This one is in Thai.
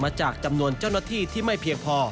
จากจำนวนเจ้าหน้าที่ที่ไม่เพียงพอ